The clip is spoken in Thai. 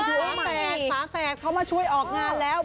ถุงหัวแฟกผ่าแฟกเขามาช่วยออกงานแล้ว